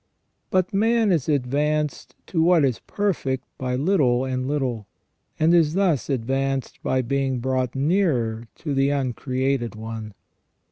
But man is advanced to what is perfect by little and little, and is thus advanced by being brought nearer to the Uncreated One.